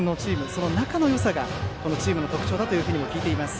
その仲のよさがチームの特徴だと聞いています。